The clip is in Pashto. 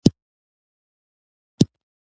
ویده وجود استراحت کوي